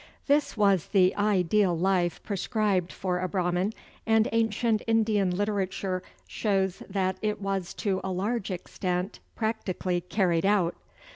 This was the ideal life prescribed for a Brahman, and ancient Indian literature shows that it was to a large extent practically carried out.